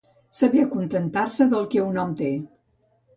Saber acontentar-se del que un hom té.